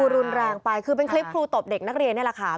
รุนแรงไปคือเป็นคลิปครูตบเด็กนักเรียนนี่แหละค่ะ